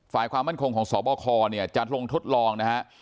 ฝ่ายความมั่นคงของสอบอลคอร์เนี่ยจะลงทดลองนะฮะ